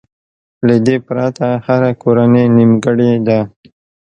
له دې پرته هره کورنۍ نيمګړې ده.